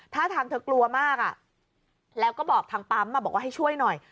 ถ้าทางเธอกลัวมากแล้วก็บอกทางปั๊มบอกว่าให้ช่วยหน่อย